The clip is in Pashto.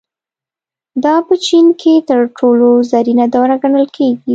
دا په چین کې تر ټولو زرینه دوره ګڼل کېږي.